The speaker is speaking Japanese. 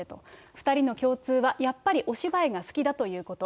２人の共通は、やっぱりお芝居が好きだということ。